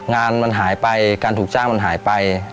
งานมันหายไปการถูกจ้างมันหายไป